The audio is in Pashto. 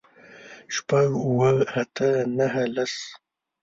شپږ، اووه، اته، نهه، لس